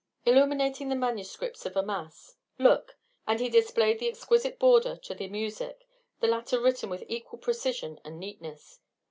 "Illuminating the manuscripts of a mass. Look." And he displayed the exquisite border to the music, the latter written with equal precision and neatness.